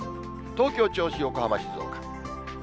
東京、銚子、横浜、静岡。